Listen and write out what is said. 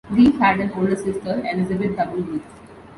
Leaf had an older sister, Elizabeth W Leaf.